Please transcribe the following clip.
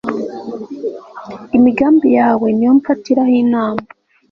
imigambi yawe ni yo mfatiraho inama